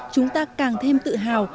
chúng ta càng thêm tự hào